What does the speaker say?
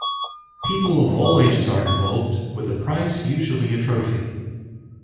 People of all ages are involved, with the prize usually a trophy.